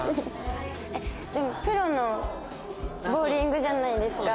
えっでもプロのボウリングじゃないですか。